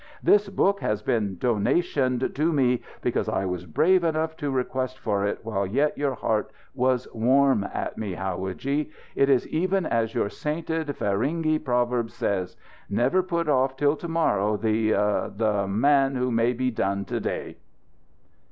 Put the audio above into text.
"This book has been donationed to me because I was brave enough to request for it while yet your heart was warm at me, howadji. It is even as your sainted feringhee proverb says: 'Never put off till to morrow the the man who may be done, to day!'"